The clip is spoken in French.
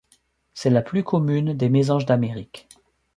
C'est la plus commune des mésanges d'Amérique.